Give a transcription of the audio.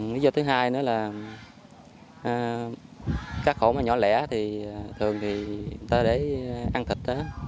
lý do thứ hai nữa là các khổ mà nhỏ lẻ thì thường người ta để ăn thịt